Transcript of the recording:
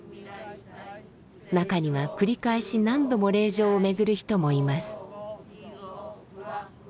中には繰り返し何度も霊場を巡る人もいます。